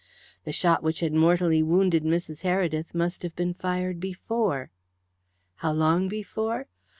The shot which had mortally wounded Mrs. Heredith must have been fired before. How long before?